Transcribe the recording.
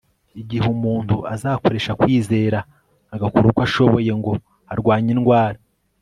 igihe umuntu azakoresha kwizera agakora uko ashoboye ngo arwanye indwara